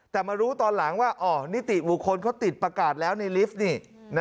แต่มารู้ตอนหลังว่านิติบุคคลเขาติดประกาศแล้วในลิฟต์นี่